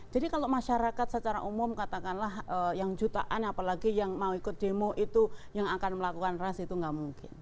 jadi kalau masyarakat secara umum katakanlah yang jutaan apalagi yang mau ikut demo itu yang akan melakukan rash itu nggak mungkin